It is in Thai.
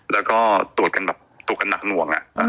แล้วก็ตรวจกันหนักหน่วงอะ